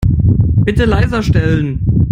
Bitte leiser stellen.